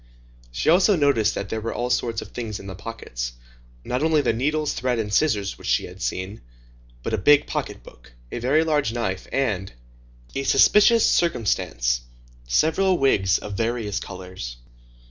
She also noticed that there were all sorts of things in the pockets. Not only the needles, thread, and scissors which she had seen, but a big pocket book, a very large knife, and—a suspicious circumstance—several wigs of various colors.